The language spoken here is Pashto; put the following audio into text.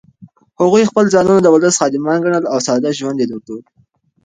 هغوی خپل ځانونه د ولس خادمان ګڼل او ساده ژوند یې درلود.